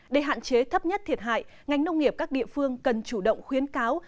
để hạn chế thấp nhất thiệt hại ngành nông nghiệp các địa phương cần chủ động khuyến cáo